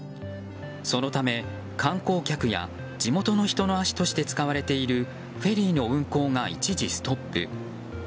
そのため、観光客や地元の人の足として使われているフェリーの運航が一時ストップ。